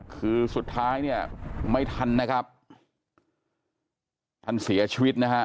คือสุดท้ายเนี่ยไม่ทันนะครับท่านเสียชีวิตนะฮะ